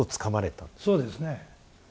そうですね。